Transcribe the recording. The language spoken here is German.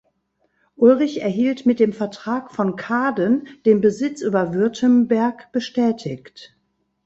Ulrich erhielt mit dem Vertrag von Kaaden den Besitz über Württemberg bestätigt.